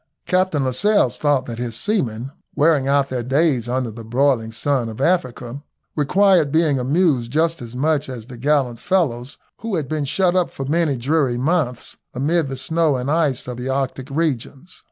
Captain Lascelles thought that his seamen, wearing out their days under the broiling sun of Africa, required being amused just as much as the gallant fellows who have been shut up for many dreary months amid the snow and ice of the Arctic regions.